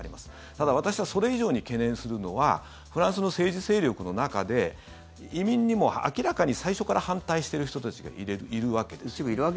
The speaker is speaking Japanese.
ただ、私はそれ以上に懸念するのはフランスの政治勢力の中で移民にも明らかに最初から反対している人たちがいるわけですよ。